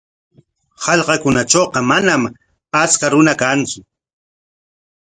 Hallqakunatrawqa manam achka runa kantsu.